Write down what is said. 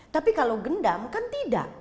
tapi kalau gendam kan tidak